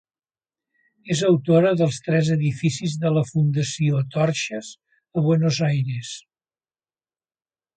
És autora dels tres edificis de la Fundació Torxes a Buenos Aires.